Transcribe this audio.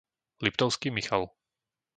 Liptovský Michal